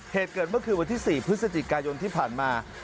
เหตุเกิดเมื่อคืนวันที่๔พฤศจิกายนที่ผ่านมา